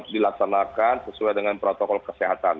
dilaksanakan sesuai dengan protokol kesehatan